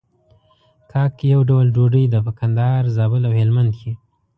کاک يو ډول ډوډۍ ده په کندهار، زابل او هلمند کې.